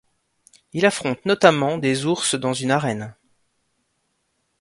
Il affronte notamment des ours dans une arène.